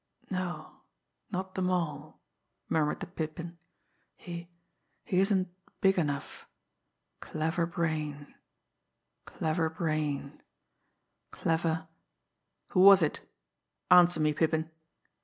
"No not the Mole," murmured the Pippin. "He he isn't big enough. Clever brain clever brain clever " "Who was it? Answer me, Pippin!"